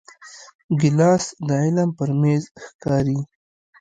ګیلاس د علم پر میز ښکاري.